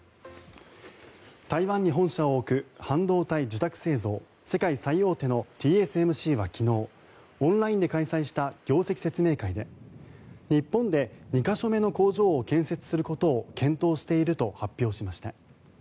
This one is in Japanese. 台湾に本社を置く半導体受託製造世界最大手のＴＳＭＣは昨日オンラインで開催した業績説明会で日本で２か所目の工場を建設することを検討していると発表しました。